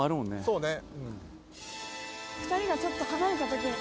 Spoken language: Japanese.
そうね